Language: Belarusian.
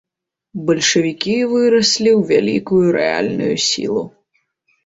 Бальшавікі выраслі ў вялікую рэальную сілу.